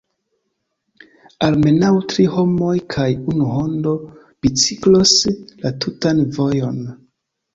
Almenaŭ tri homoj kaj unu hundo biciklos la tutan vojon.